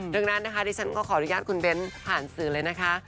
ดังนั้นนะคะดิฉันก็ขออนุญาตคุณเบ้นผ่านสื่อเลยนะคะ